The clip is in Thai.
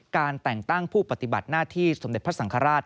การแต่งตั้งผู้ปฏิบัติหน้าที่สมเด็จพระสังฆราช